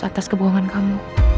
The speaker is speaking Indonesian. atas kebohongan kamu